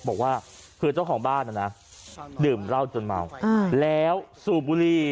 บอกว่าคือเจ้าของบ้านนะนะดื่มเหล้าจนเมาแล้วสูบบุรี